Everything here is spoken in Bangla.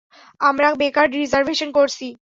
আমরা বেকার রিজার্ভেশন করেছি।